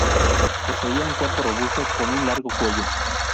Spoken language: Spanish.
Poseía un cuerpo robusto con un largo cuello.